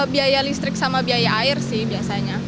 biaya listrik sama biaya air sih biasanya